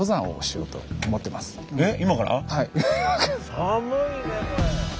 寒いねこれ。